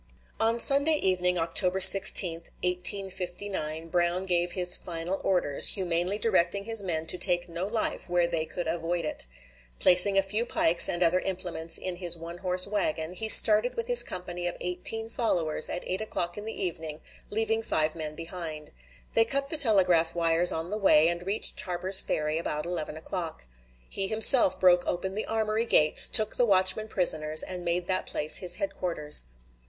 On Sunday evening, October 16, 1859, Brown gave his final orders, humanely directing his men to take no life where they could avoid it. Placing a few pikes and other implements in his one horse wagon, he started with his company of eighteen followers at 8 o'clock in the evening, leaving five men behind. They cut the telegraph wires on the way, and reached Harper's Ferry about 11 o'clock. He himself broke open the armory gates, took the watchmen prisoners, and made that place his headquarters.